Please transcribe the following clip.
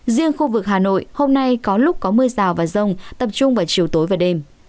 riêng khu vực hà nội hôm nay có lúc có mưa rào và rông tập trung vào chiều tối và đêm